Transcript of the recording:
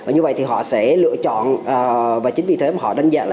như vậy thì họ sẽ lựa chọn và chính vì thế mà họ đánh giá là